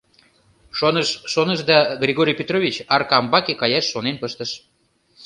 Шоныш-шоныш да, Григорий Петрович Аркамбаке каяш шонен пыштыш.